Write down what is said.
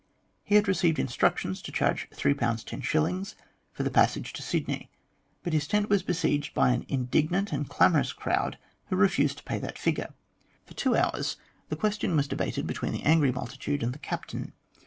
He had received instructions to charge 3, 10s. for the passage to Sydney, but his tent was besieged by an indignant and clamorous crowd who refused to pay that figure. For two hours the question was debated between the angry multitude and the captain.